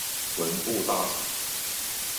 文部大臣。